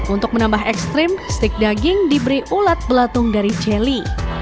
untuk menambah ekstrim steak daging diberi ulat belatung dari celi